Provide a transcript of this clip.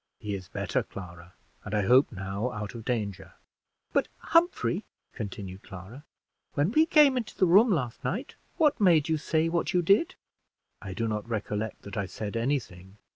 "He is better, Clara, and I hope now out of danger." "But, Humphrey," continued Clara, "when we came into the room last night, what made you say what you did?" "I do not recollect that I said any thing."